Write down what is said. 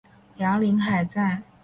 鸣梁海战